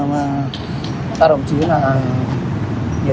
cái trách nhiệm của các đồng chí rất là cao cả